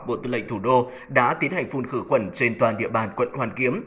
bộ tư lệnh thủ đô đã tiến hành phun khử khuẩn trên toàn địa bàn quận hoàn kiếm